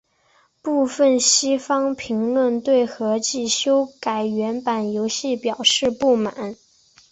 部分西方评论对合辑修改原版游戏表示不满。